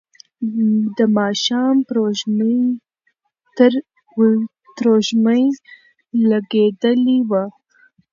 د ماښام تروږمۍ لګېدلې وه.